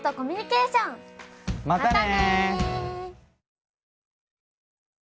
またね！